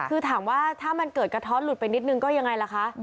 คือถามว่าถ้ามันเกิดกระท้อนหลุดไปนิดนึงก็ยังไงล่ะคะ